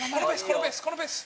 このペース